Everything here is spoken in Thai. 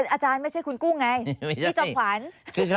อาจารย์ไม่ใช่คุณกุ้งไง